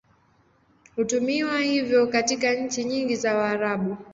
Hutumiwa hivyo katika nchi nyingi za Waarabu.